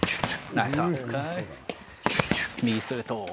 右ストレート。